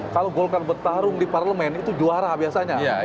kalau golkar bertarung di parlemen itu juara biasanya